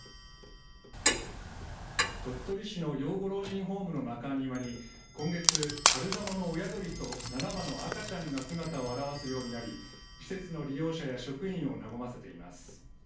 鳥取市の養護老人ホームの中庭に今月、カルガモの親鳥と７羽の赤ちゃんが姿を現すようになり施設の利用者や職員を和ませています。